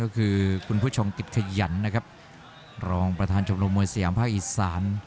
ก็คือคุณผู้ชมติดขยันนะครับรองประธานชมรมมวยสยามภาคอีสาน